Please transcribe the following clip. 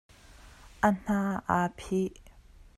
A hna aa phih.